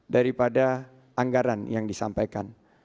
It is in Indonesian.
daripada anggaran yang disampaikan